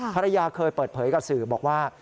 ภรรยาเคยเปิดเผยกับสื่อบอกว่า